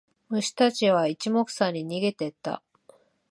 虫たちは一目散に逃げてった。